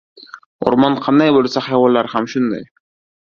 • O‘rmon qanday bo‘lsa, hayvonlari ham shunday.